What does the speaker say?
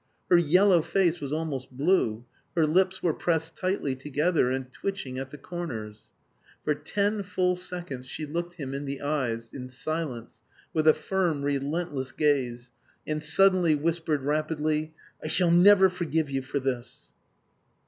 Her yellow face was almost blue. Her lips were pressed tightly together and twitching at the corners. For ten full seconds she looked him in the eyes in silence with a firm relentless gaze, and suddenly whispered rapidly: "I shall never forgive you for this!"